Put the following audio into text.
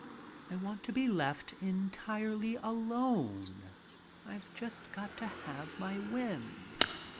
I want to be left entirely alone. I've just got to have my whim.